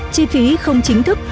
chi phí không chính thức